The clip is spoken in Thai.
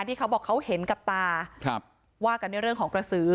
ที่เขาบอกเขาเห็นกับตาว่ากันด้วยเรื่องของกระสือ